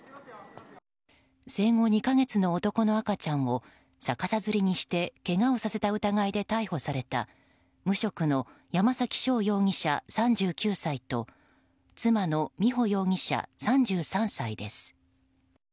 生後２か月の男の赤ちゃんを逆さづりにしてけがをさせた疑いで逮捕された無職の山崎翔容疑者、３９歳と妻の美穂容疑者、３３歳です。